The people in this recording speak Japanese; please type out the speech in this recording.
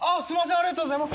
ありがとうございます。